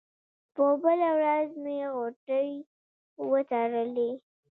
په بله ورځ مې غوټې وتړلې.